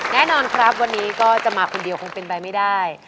แน่นอนครับวันนี้ก็จะมาคนเดียวคงเป็นไปไม่ได้